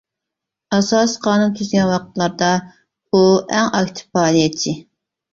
ئاساسى قانۇن تۈزگەن ۋاقىتلاردا، ئۇ ئەڭ ئاكتىپ پائالىيەتچى.